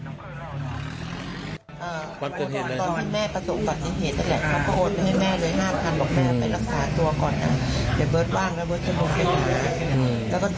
ตอนที่แม่ประสงค์ตอนนี้เห็นแล้วแหละเขาก็โอดไปให้แม่เลย๕๐๐๐บาท